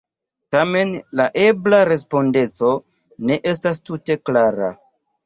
Tamen, la ebla respondeco ne estas tute klara.